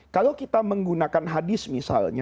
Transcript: kalau kita menggunakan hadis misalnya